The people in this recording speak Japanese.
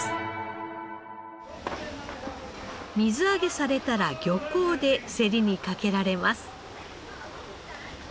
水揚げされたら漁港で競りにかけられます。